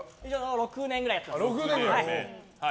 ６年ぐらいやってます。